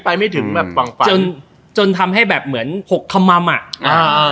ไปไม่ถึงแบบฝั่งฝันจนทำให้แบบเหมือน๖คำม่ำอ่ะ